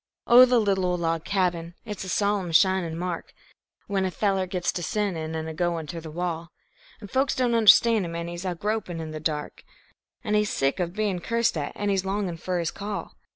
Oh, the little ol' log cabin, it's a solemn shinin' mark, When a feller gits ter sinnin' an' a goin' ter the wall, An' folks don't understand him an' he's gropin' in the dark, An' he's sick of bein' cursed at an' he's longin' fer his call!